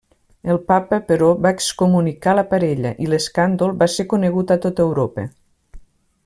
El Papa, però, va excomunicar la parella i l'escàndol va ser conegut a tot Europa.